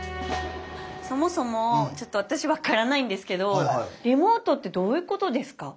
そもそもちょっと私分からないんですけどリモートってどういうことですか？